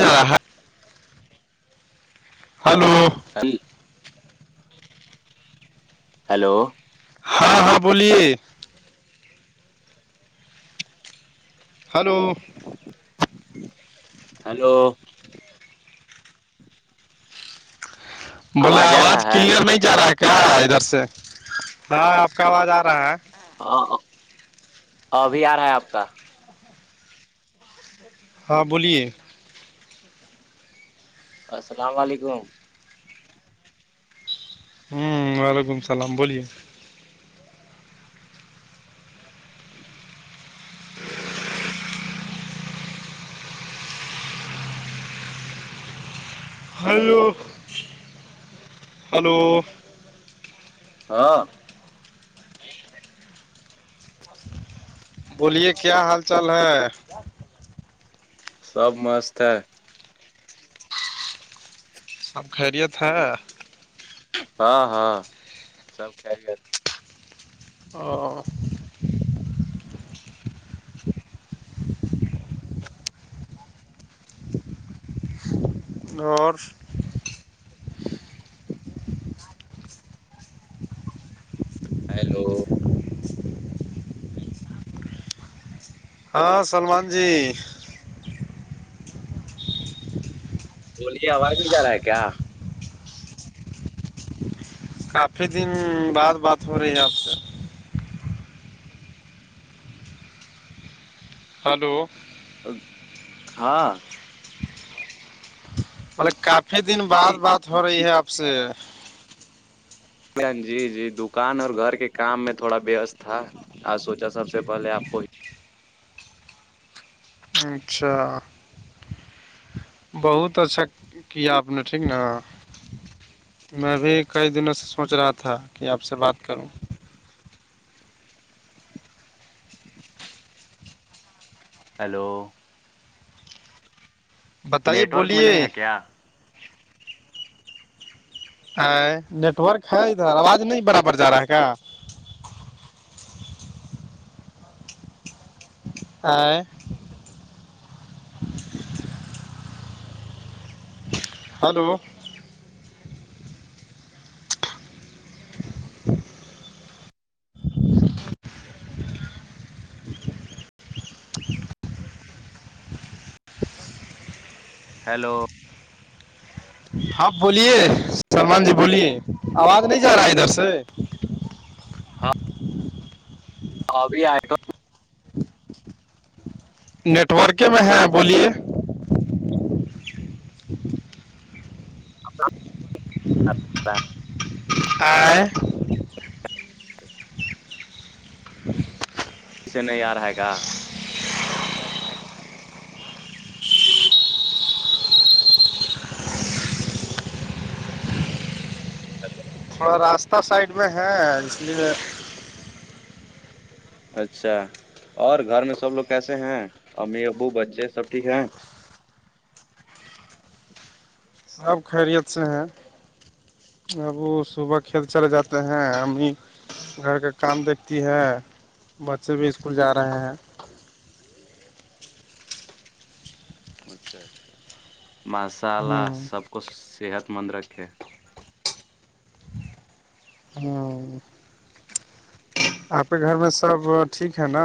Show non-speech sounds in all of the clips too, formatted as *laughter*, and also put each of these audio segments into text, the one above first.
جا رہا ہلو ک *inaudible* ہیلو ہاں ہاں بولیے ہلو ہیلو بولے آ رہا آواز ہے کلیئر نہیں جا رہا ہے کیا ادھر سے ہاں آپ کا آواز آ رہا ہے ہاں ابھی آ رہا ہے آپ کا ہاں بولیے السلام علیکم ہوں وعلیکم السلام بولیے ہلو ہلو ہاں بولیے کیا حال چال ہے سب مست ہے سب خیریت ہے ہاں ہاں سب خری ا اور *inaudible* ہیلو ہاں سلمان جی بولیے آواز نہیں جا رہا ہے کیا کافی دن بعد بات ہو رہی ہے آپ سے ہلو ہاں مطلے کافی دن بعد جی بات ہو رہی جی ہے آپ سے جی جی دکان اور گھر کے کام میں تھوڑا وست تھا آاں سوچا سب سے پہلے آپ کو اچھا بہت اچھا کیا اپنا ٹھیک نا میں بھی کئی دنوں سے سوچ رہا تھا کہ آپ سے بات کروں ہیلو بتائیے نیٹ ورک میں بولیے نہیں ہے کیا ا نیٹ ورک ہے ادھر آواز نہیں برابر جا رہا ہے کا *inaudible* ہلو ہیلو آپ بولیے سان جی بولیے آواز نہیں جا رہا ہے ادھر سے ہاں اورابری آئیٹو نیٹ ورک میں ہے بولیے جی *inaudible* *inaudible* *unintelligible* *inaudible* *inaudible* اسے نہیں آ رہے گا اچھا تھوڑا راستہ سائڈ میں ہے اس لیے اچھا اور گھر میں سب لوگ کیسے ہیں امی ابو بچے سب ٹھیک ہیں آب خیریت سے ہیں اب وہ صبح کھیت چل جاتے ہیں ہمیں گھر کا کام دیکھتی ہے بچے بھی اسکول جا رہے ہیں اچھا اچھا ماشاء اللہ سب کو صحت مند رکھے آپ کے گھر میں سب ٹھیک ہے نا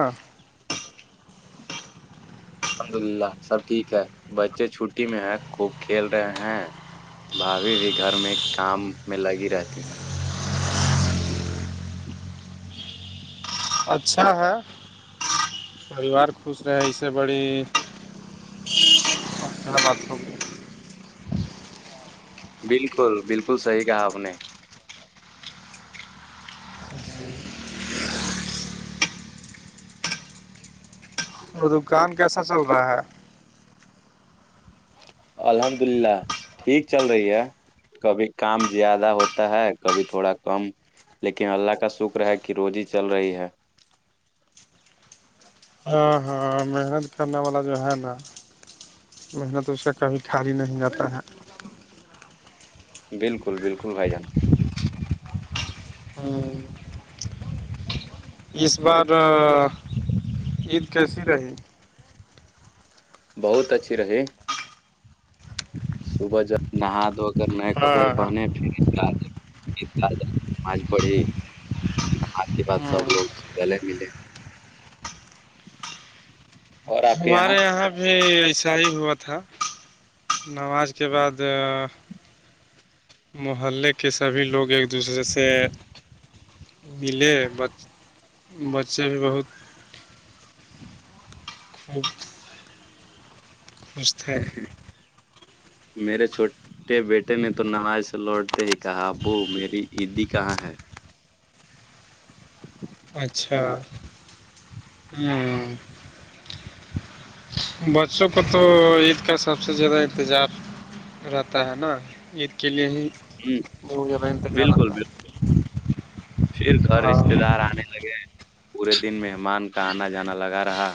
الحمد للہ سب ٹھیک ہے بچے چھٹی میں ہے کوب کھیل رہے ہیں بھاابھی بھی گھر میں کام میں لگی رہتی ہے اچھا ہے پریوار خوش رہے اس سے بڑی بات روم بالکل بالکل صحیح کہا آپ نے وہ دکان کیسا چل رہا ہے الحمد للہ ٹھیک چل رہی ہے کبھی کام زیادہ ہوتا ہے کبھی تھوڑا کم *unintelligible* لیکن اللہ کا شکر ہے کہ روزی چل رہی ہے *unintelligible* ہاں ہاں محنت کرنے والا جو ہے نا محنت اس سے کبھی کھالی نہیں آتا ہے بالکل بالکل بھائی جان اس بار عید کیسی رہی بہت اچھی رہی صبح جب نہا دھو کر نئے کپڑے پہنے ید گ عید گد آج پڑے *unintelligible* آات کے بعد سب لوگ گلے ملے اور آپ کے ہمارے یہاں ا ایسا ہی ہوا تھا نماز کے بعد محلے کے سبھی لوگ ایک دوسرے سے ملے ب بچے بھی بہت ہچ اچھ میرے چھوٹ بیٹے نے تو نماز سے لوٹتے ہی کہا ابو میری عیدی کہاں ہے *inaudible* اچھا ہوں بچوں کو تو عید کا سب سے زیادہ انتظار رہتا ہے نا عید کے لیے ہی ہ جہ انتظار بالکل آتا ہے بالکل پھر گھر رشتے دار آنے لگے پورے دن مہمان کا آنا جانا لگا رہا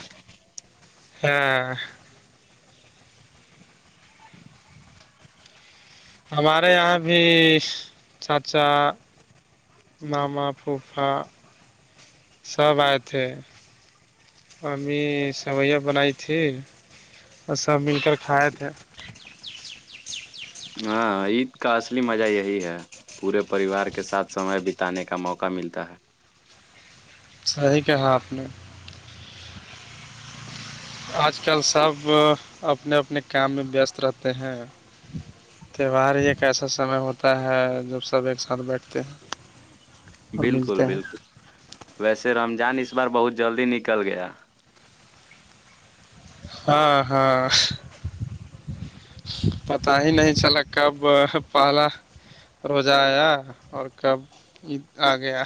ہاں ہمارے یہاں بھی چاچا ماما پوپا سب آئے تھے امی سیویاں بنائی تھی اور سب مل کر کھائے تھے ہاں عید کا اصلی مزہ یہی ہے پورے پریوار کے ساتھ سمے بتانے کا موقع ملتا ہے صحیح کہا آپ نے آج کل سب اپنے اپنے کام میں وست رہتے ہیں تہوار ہی ایک ایسا سمے ہوتا ہے جب سب ایک ساتھ بیٹھتے ہیں بالکل بالکل ویسے رمضان اس بار بہت جلدی نکل گیا ہاں ہاں پتا ہی نہیں چلا کب پہلا روزہ آیا اور کب عید آ گیا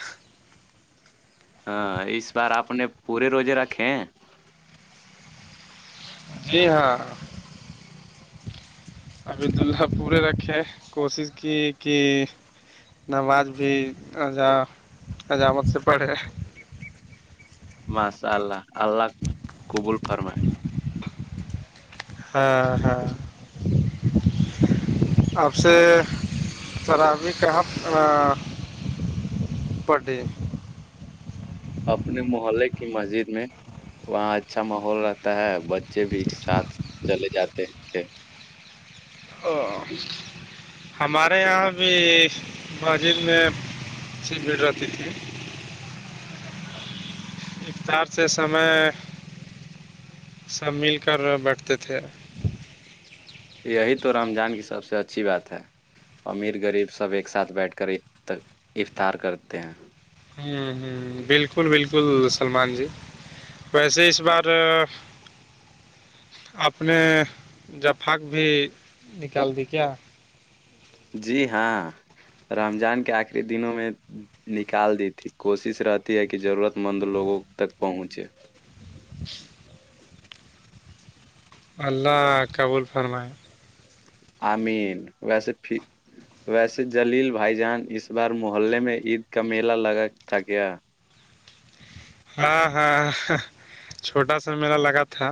ہاں اس بار آپ نے پورے روزے رکھے ہیں جی ہاں عبید اللہ پورے رکھے کوشش کی کہ نماز بھیا عجامت سے پڑھے مس اللہ اللہ قبول فرمائے ہاں ہاں آپ سے سرامی کہاں بڈے اپنے محلے کی مسجد میں وہاں اچھا ماحول رہتا ہے بچے بھی ساتھ چلے جاتے تھے ا *unintelligible* ہمارے یہاں بھی ماجر میں بھیڑ رہتی تھی افتار سے سمے سب مل کر بیٹھتے تھے یہی تو رمضان کی سب سے اچھی بات ہے امیر غریب سب ایک ساتھ بیٹھ کر افطار کرتے ہیں ہوں ہ بالکل بالکل سلمان جی ویسے اس بار آپ نے جفق بھی نکال دی کیا جی ہاں رمضان کے آخری دنوں میں نکال دی تھی کوشش رہتی ہے کہ ضرورت مند لوگوں تک پہنچے *inaudible* اللہ قبل فرمائے آمین ویسے پھر ویسے جلیل بھائی جان اس بار محللے میں عید کا میلہ لگا تھا گیا ہاں ہاں چھوٹا سا میلہ لگا تھا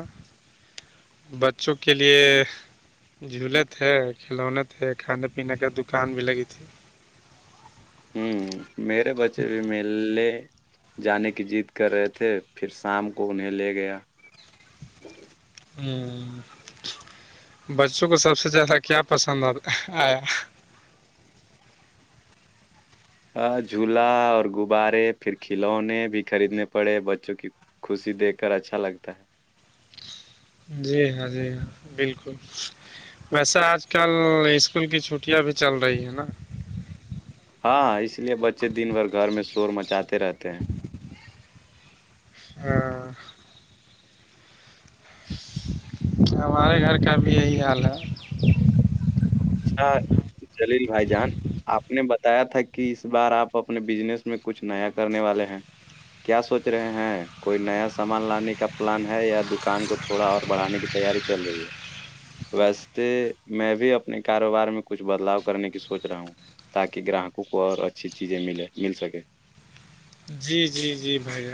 بچوں کے لیے جھولے تھے کھلونے تھے کھانے پینے کی دکان بھی لگی تھی ہوں میرے بچے بھی میے جانے کی ضد کر رہے تھے پھر شام کو انہیں لے گیا ہ بچوں کو سب سے زیادہ کیا پسند آ آیا ہ جھولا اور غبارے پھر کھلونے بھی خریدنے پڑے بچوں کی خوشی دیکھ کر اچھا لگتا ہے جی ہاں جی ہاں بالکل ویسے آج کل اسکول کی چھٹیاں بھی چل رہی ہیں نا ہاں ہاں اس لیے بچے دن بھر گھر میں شور مچاتے رہتے ہیں *inaudible* ہاں ہمارے گھر کا بھی یہی حال ہے اچھا جلیل بھائی جان آپ نے بتایا تھا کہ اس بار آپ اپنے بزنس میں کچھ نیا کرنے والے ہیں کیا سوچ رہے ہیں کوئی نیا سامان لانے کا پلان ہے یا دکان کو تھوڑا اور بڑھانے کی تیاری چل رہی ہے ویسے میں بھی اپ اپنے کاروبار میں کچھ بدلاؤ کرنے کی سوچ رہا ہوں تاکہ گراہکوں کو اور اچھی چیزیں ملے مل سکے جی جی جی بھائی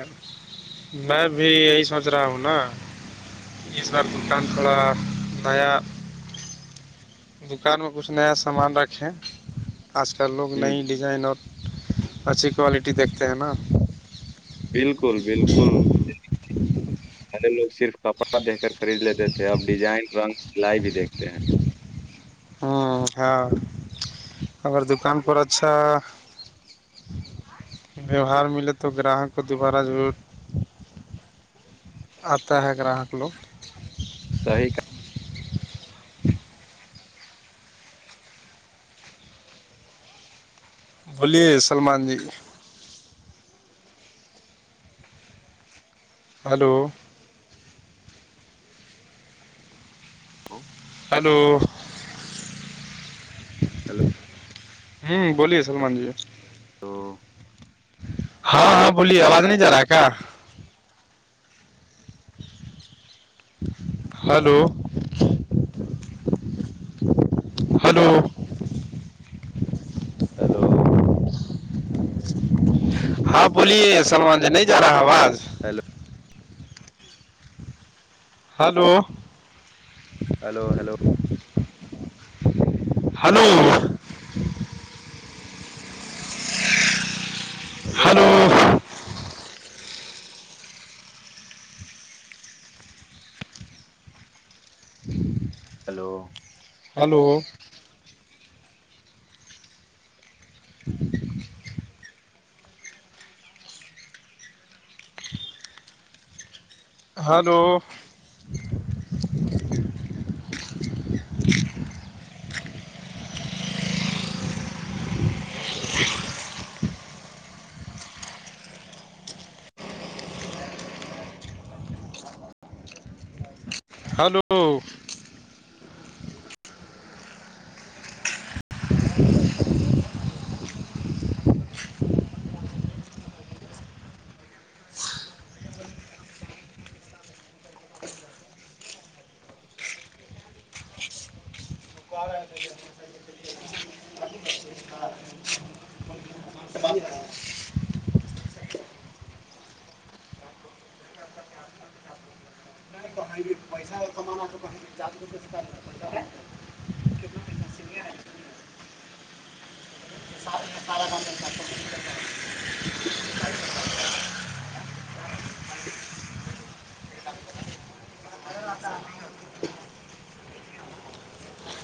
میں بھی یہی سوچ رہا ہوں نا اسس بار دوٹان تھوڑا دیا دکان میں کچھ نیا سامان رکھے آج کل لوگ ہ نئی ل ڈیزائن اور اچھی کوالٹی دیکھتے ہیں نا بالکل بالکل پلے لوگ صرف کپڑا دیکھ کر خرید لیتے تھے اب ڈیزائن رنگ سلائی بھی دیکھتے ہیں ہ ہاں اورگر دکان پر اچھا ویوہار ملے تو گراہک کو دوبارہ ضرور آتا ہے گراہک لوگ صحی کا بولیے سلمان جی ہلو کہا۔ ال ہوں بولیے سلمان جی تو ہاں ہاں بولیے آواز نہیں جا رہا ہے کیا ہلو ہلو ہیلو ہاں بولیے سلمان جی نہیں جا رہا آواز hello hello hello hello hello hello جلی hello hello hello *unintelligible* *inaudible* hello hello